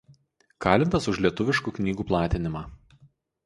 Kalintas už lietuviškų knygų platinimą.